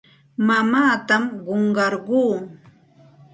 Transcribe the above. Mamaatam qunqarquu.